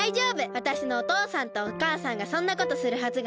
わたしのおとうさんとおかあさんがそんなことするはずがない。